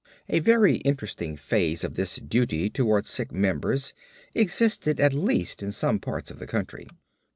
A very interesting phase of this duty toward sick members existed at least in some parts of the country.